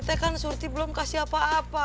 kita kan surti belum kasih apa apa